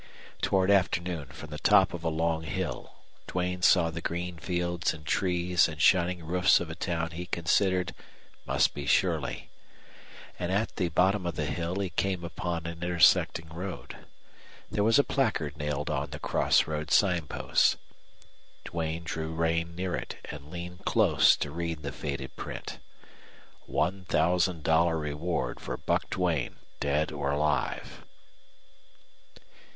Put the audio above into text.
Toward afternoon, from the top of a long hill, Duane saw the green fields and trees and shining roofs of a town he considered must be Shirley. And at the bottom of the hill he came upon an intersecting road. There was a placard nailed on the crossroad sign post. Duane drew rein near it and leaned close to read the faded print. $1000 REWARD FOR BUCK DUANE DEAD OR ALIVE.